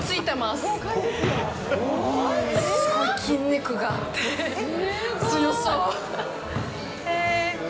すごい筋肉があって強そう。